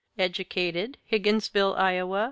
Educated Higginsville, Ia.